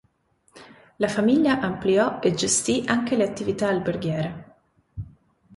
La famiglia ampliò e gestì anche le attività alberghiere.